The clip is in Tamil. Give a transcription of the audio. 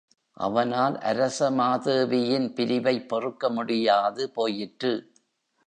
அவனால் அரசமாதேவியின் பிரிவைப் பொறுக்க முடியாது போயிற்று.